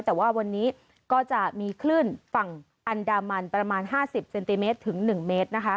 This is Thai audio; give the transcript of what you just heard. แต่ว่าวันนี้ก็จะมีคลื่นฝั่งอันดามันประมาณ๕๐เซนติเมตรถึง๑เมตร